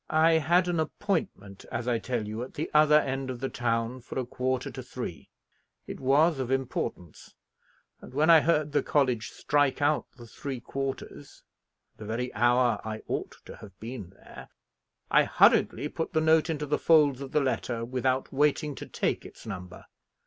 I had an appointment, as I tell you, at the other end of the town for a quarter to three; it was of importance; and, when I heard the college strike out the three quarters the very hour I ought to have been there I hurriedly put the note into the folds of the letter, without waiting to take its number.